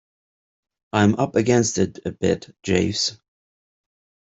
I am up against it a bit, Jeeves.